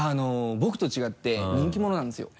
僕と違って人気者なんですよ。